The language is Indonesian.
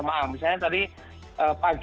kemudian beruntungan untuk menertibkan para jamaah